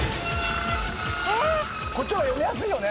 こっちのが読みやすいよね。